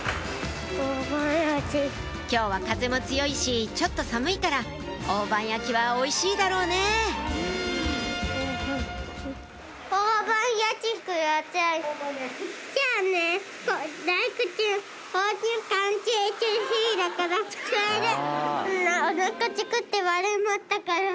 今日は風も強いしちょっと寒いから大判焼きはおいしいだろうねぇ大判焼き？それで。